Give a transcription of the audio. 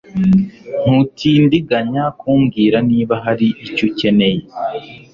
Ntutindiganya kumbwira niba hari icyo ukeneye